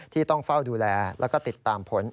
ที่ต้องเฝ้าดูแลแล้วก็ติดตามผล